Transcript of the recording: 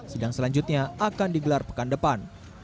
sidang selanjutnya akan digelar pekan depan